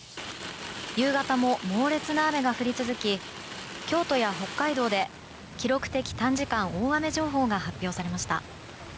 夕方も猛烈な雨が降り続き京都や北海道で記録的短時間大雨情報が発表されました。